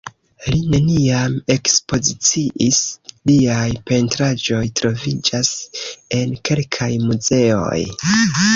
Li neniam ekspoziciis, liaj pentraĵoj troviĝas en kelkaj muzeoj.